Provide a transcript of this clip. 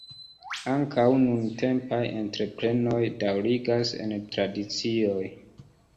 Ankaŭ nuntempaj entreprenoj daŭrigas en tradicioj.